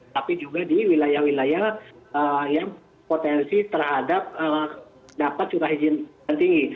tapi juga di wilayah wilayah yang potensi terhadap dapat curah hujan yang tinggi